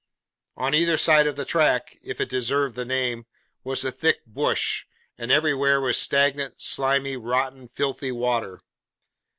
On either side of the track, if it deserve the name, was the thick 'bush;' and everywhere was stagnant, slimy, rotten, filthy water.